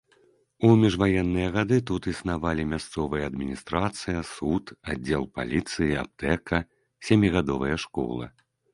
У міжваенныя гады тут існавалі мясцовая адміністрацыя, суд, аддзел паліцыі, аптэка, сямігадовая школа.